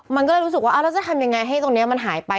มันก็เลยรู้สึกว่าแล้วจะทำยังไงให้ตรงนี้มันหายไป